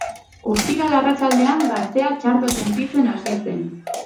Ostiral arratsaldean gaztea txarto sentitzen hasi zen.